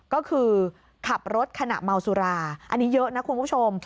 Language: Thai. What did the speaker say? ก็คือขับรถขณะเมาสุราอันนี้เยอะนะคุณผู้ชม